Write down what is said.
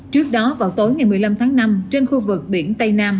trước đó vào tối ngày một mươi năm tháng năm trên khu vực biển tây nam